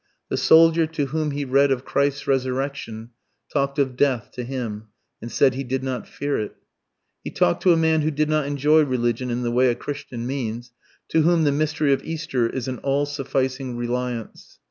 The soldier to whom he read of Christ's Resurrection talked of death to him, and said he did not fear it. He talked to a man who did not enjoy religion in the way a Christian means, to whom the mystery of Easter is an all sufficing "reliance."